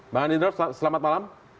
bang andrinov selamat malam